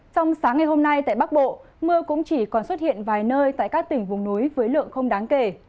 trong sáng ngày hôm nay tại bắc bộ mưa cũng chỉ còn xuất hiện vài nơi tại các tỉnh vùng núi với lượng không đáng kể